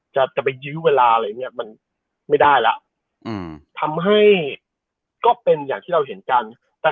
จะไปยื้อเวลาอะไรอย่างเงี้ย